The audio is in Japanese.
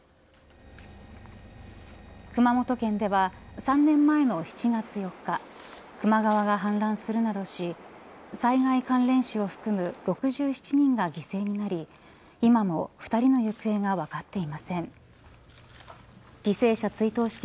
熊本県では３年前の７月４日球磨川が氾濫するなどし災害関連死を含む６７人が犠牲になり今も２人の行方が分かっていません。